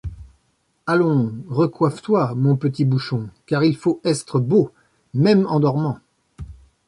Allons recoëffe-toy, mon petit bouchon, car il faut estre beau, mesmes en dormant.